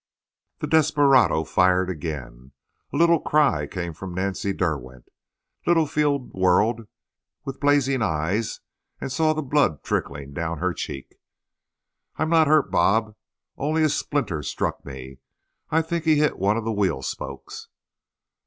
The desperado fired again. A little cry came from Nancy Derwent. Littlefield whirled, with blazing eyes, and saw the blood trickling down her cheek. "I'm not hurt, Bob—only a splinter struck me. I think he hit one of the wheel spokes."